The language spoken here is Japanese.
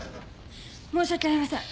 申し訳ありません。